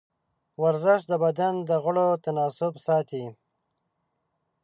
ورزش د بدن د غړو تناسب ساتي.